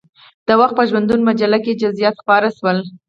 د وخت په ژوندون مجله کې یې جزئیات خپاره شول.